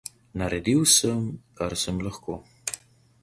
Naredil sem, kar sem lahko.